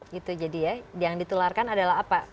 gitu jadi ya yang ditularkan adalah apa